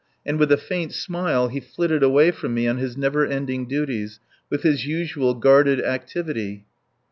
And with a faint smile he flitted away from me on his never ending duties, with his usual guarded activity.